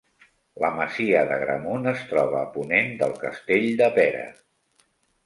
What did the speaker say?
La masia d'Agramunt es troba a ponent del castell de Pera.